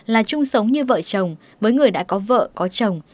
là chung sống như vợ chồng với người đã có vợ có chồng